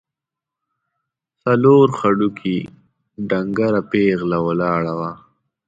څلور هډوکي، ډنګره پېغله ولاړه وه.